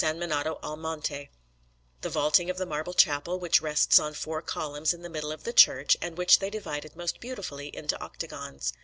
Miniato al Monte, the vaulting of the marble chapel, which rests on four columns in the middle of the church, and which they divided most beautifully into octagons.